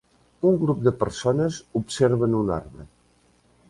Un grup de persones observen un arbre.